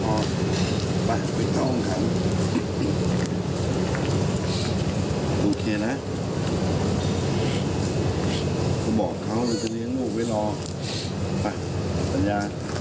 โอเคนะโอเคนะ